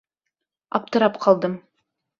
Аптырап ҡалдым.